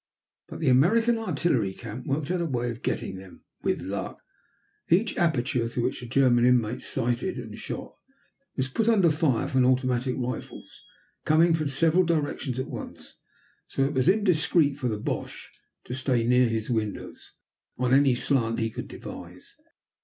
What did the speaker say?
But the American artillery camp worked out a way of getting them with luck. Each aperture, through which the German inmates sighted and shot, was put under fire from automatic rifles, coming from several directions at once, so that it was indiscreet for the Boche to stay near his windows, on any slant he could devise.